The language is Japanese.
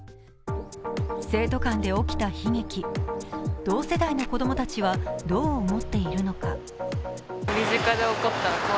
生徒間で起きた悲劇同世代の子供たちはどう思っているのか。